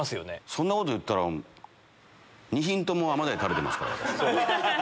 そんなこと言ったら２品ともアマダイ食べてますから私。